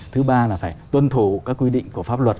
thứ ba là phải tuân thủ các quy định của pháp luật